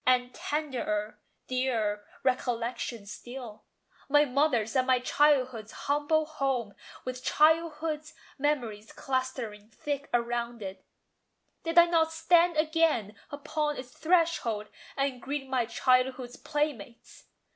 And tenderer, dearer recollection still My mother's and my childhood's humble home, With childhood's memories clustering thick around it: Did I not stand again upon its threshold, And greet my childhood's playmates?